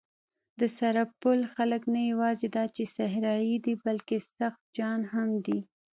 د سرپل خلک نه یواځې دا چې صحرايي دي، بلکې سخت جان هم دي.